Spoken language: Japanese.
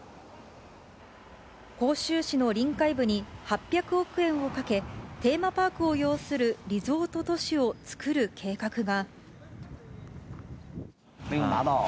広州市の臨海部に、８００億円をかけ、テーマパークを擁するリゾート都市をつくる計画が。